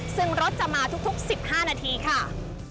ซึ่งรถจะมาทุก๑๕นาทีค่ะ